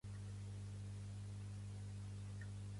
Els pronoms interrogatius inclouen "agn"o "què?".